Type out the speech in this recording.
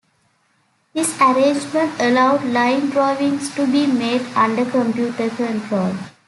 This arrangement allowed line drawings to be made under computer control.